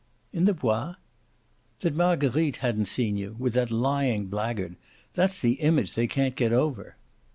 "In the Bois?" "That Marguerite hadn't seen you with that lying blackguard. That's the image they can't get over."